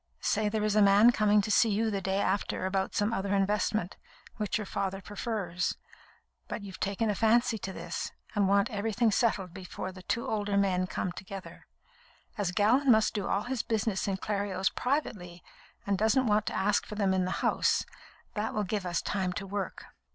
Say there is a man coming to see you the day after about some other investment, which your father prefers, but you've taken a fancy to this, and want everything settled before the two older men come together. As Gallon must do all his business in Clerios privately, and doesn't want to ask for them in the House, that will give us time to work."